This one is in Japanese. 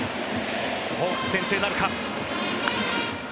ホークス、先制なるか。